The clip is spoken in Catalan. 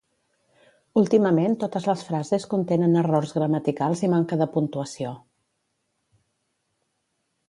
Últimament totes les frases contenen errors gramaticals i manca de puntuació